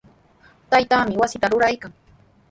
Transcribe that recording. Taytaami wasita ruraykan.